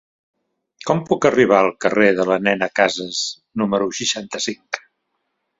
Com puc arribar al carrer de la Nena Casas número seixanta-cinc?